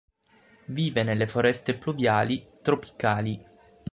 Vive nelle foreste pluviali tropicali.